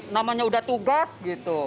namanya udah tugas gitu